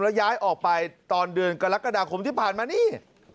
แล้วย้ายออกไปตอนเดือนกรกฎาคมที่ผ่านมานี่